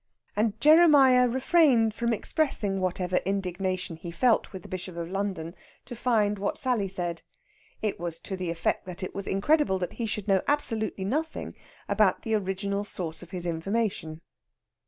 And Jeremiah refrained from expressing whatever indignation he felt with the Bishop of London, to find what Sally said. It was to the effect that it was incredible that he should know absolutely nothing about the original source of his information.